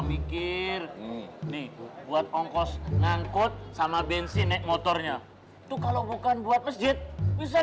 mikir nih buat ongkos ngangkut sama bensin naik motornya tuh kalau bukan buat masjid bisa